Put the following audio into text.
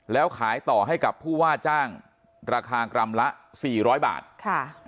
แล้วขายต่อให้กับผู้ว่าจ้างราคากรัมละ๔๐๐บาท